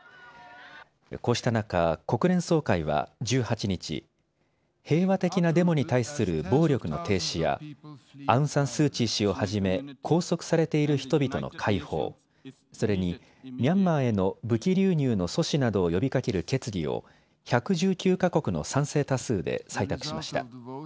こうした中、国連総会は１８日、平和的なデモに対する暴力の停止やアウン・サン・スー・チー氏をはじめ、拘束されている人々の解放、それにミャンマーへの武器流入の阻止などを呼びかける決議を１１９か国の賛成多数で採択しました。